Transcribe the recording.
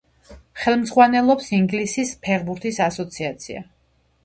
ხელმძღვანელობს ინგლისის ფეხბურთის ასოციაცია.